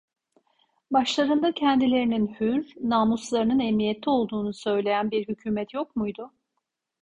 Başlarında kendilerinin hür, namuslarının emniyette olduğunu söyleyen bir hükümet yok muydu?